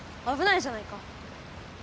あぶないじゃないか。